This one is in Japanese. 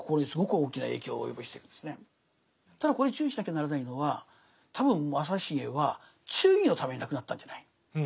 ただここで注意しなきゃならないのは多分正成は忠義のために亡くなったんじゃない。